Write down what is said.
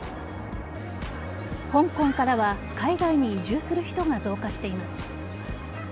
香港からは海外に移住する人が増加しています。